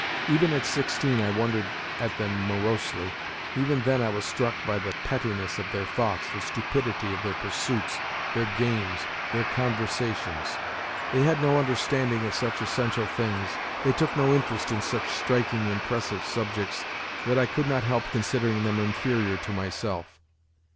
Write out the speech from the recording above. Even at sixteen I wondered at them morosely ; even then I was struck by the pettiness of their thoughts, the stupidity of their pursuits, their games, their conversations. They had no understanding of such essential things, they took no interest in such striking, impressive sub jects, that I could not help considering them inferior to myself.